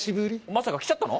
まさか来ちゃったの？